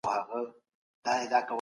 کمپيوټر فرصتونه جوړوي.